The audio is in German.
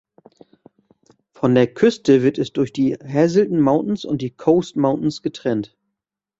Von der Küste wird es durch die Hazelton Mountains und die Coast Mountains getrennt.